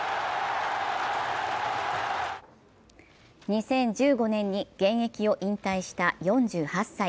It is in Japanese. ２０１５年に現役を引退した４８歳。